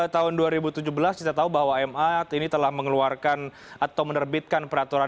tahun dua ribu tujuh belas kita tahu bahwa ma ini telah mengeluarkan atau menerbitkan peraturan